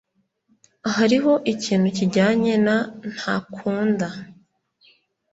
Hariho ikintu kijyanye na ntakunda.